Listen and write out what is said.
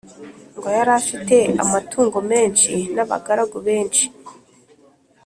Ngo yari afite amatungo menshi n’abagaragu benshi.